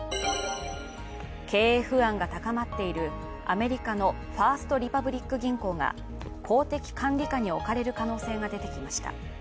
経営不安が高まっているアメリカのファースト・リパブリック銀行が公的管理下に置かれる可能性が出てきました。